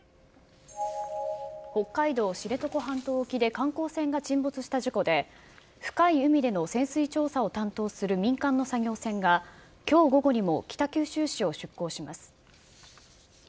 北海道知床半島沖で観光船が沈没した事故で、深い海での潜水調査を担当する民間の作業船が、きょう午後にも北九州市を出港します。